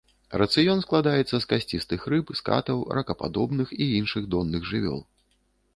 Рацыён складаецца з касцістых рыб, скатаў, ракападобных і іншых донных жывёл.